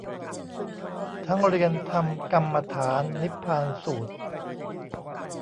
ทั้งเรียนธรรมกรรมฐานนิพพานสูตร